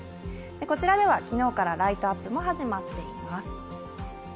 こちらでは昨日からライトアップも始まっています。